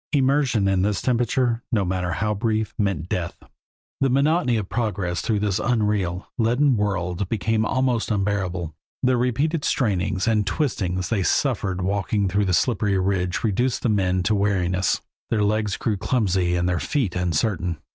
Immersion in this temperature, no matter how brief, meant death. The monotony of progress through this unreal, leaden world became almost unbearable. The repeated strainings and twistings they suffered in walking the slippery ridge reduced the men to weariness; their legs grew clumsy and their feet uncertain.